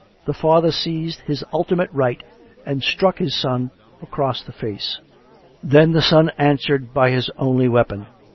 The father seized his ultimate right, and struck his son across the face. Then tlie son answered by his only weapon.